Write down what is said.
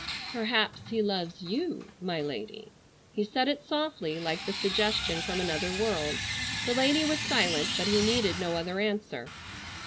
"Perhaps he loves you, my lady." He said it softly like the suggestion from another world. The lady was silent, but he needed no other answer.